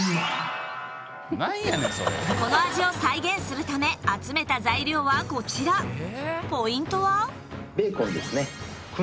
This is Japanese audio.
この味を再現するため集めた材料はこちらポイントは？